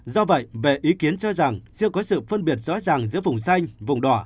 do vậy về ý kiến cho rằng chưa có sự phân biệt rõ ràng giữa vùng xanh vùng đỏ